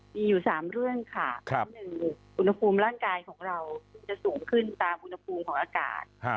มีอยู่๓เรื่องค่ะ๑อุณหภูมิร่างกายของเราจะสูงขึ้นตามอุณหภูมิของอากาศ